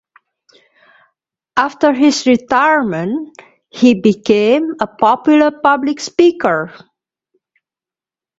After his retirement, he became a popular public speaker.